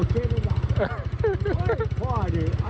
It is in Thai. จริงนะพ่อนะ